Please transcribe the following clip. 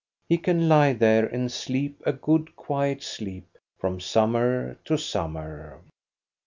He can lie there and sleep a good quiet sleep from summer to summer.